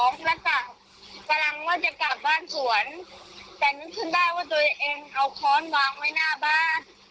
ลักษณะกำลังว่าจะกลับบ้านสวนแต่นึกขึ้นได้ว่าตัวเองเอาค้อนวางไว้หน้าบ้าน